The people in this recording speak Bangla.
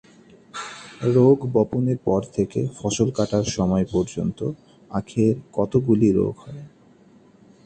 রোগ বপনের পর থেকে ফসল কাটার সময় পর্যন্ত আখের কতকগুলি রোগ হয়।